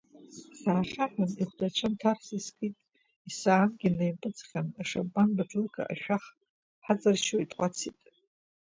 Саахьаҳәын, ихәдацәа нҭарс искит, исаангьы наимпыҵҟьан, ашампан баҭлыка ашәах ҳаҵарчуа итҟәацит.